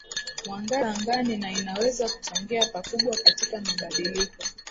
mwangaza angani na inaweza kuchangia pakubwa katika mabadiliko